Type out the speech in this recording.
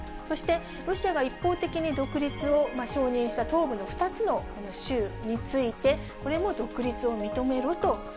そして、ロシアが一方的に独立を承認した東部の２つのこの州について、これも独立を認めろと。